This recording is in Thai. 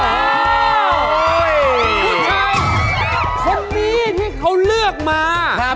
อันนี้ที่เขาเลือกมา